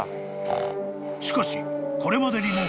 ［しかしこれまでにも］